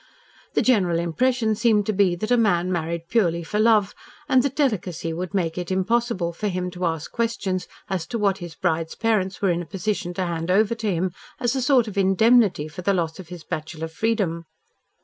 The general impression seemed to be that a man married purely for love, and that delicacy would make it impossible for him to ask questions as to what his bride's parents were in a position to hand over to him as a sort of indemnity for the loss of his bachelor freedom.